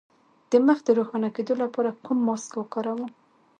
د مخ د روښانه کیدو لپاره کوم ماسک وکاروم؟